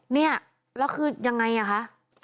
เนี่ยแล้วคือยังไงอ่ะคะ